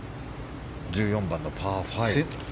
１４番のパー５。